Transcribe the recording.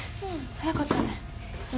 早かったね。